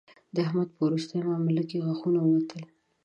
د احمد په روستۍ مامله کې غاښونه ووتل